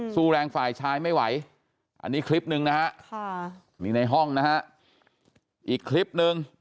สู้แรงฝ่ายชายไม่ไหวอันนี้คลิปหนึ่งนะฮะนี่ในห้องนะฮะอีกคลิปนึง